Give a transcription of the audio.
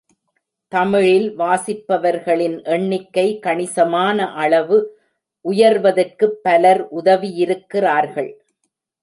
தமிழில் வாசிப்பவர்களின் எண்ணிக்கை கணிசமான அளவு உயர்வதற்குப் பலர் உதவியிருக்கிறார்கள்.